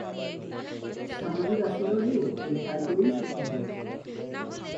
স্বামীজীর আশীর্বাদে তোর তাই করেই সব ঠিক হবে।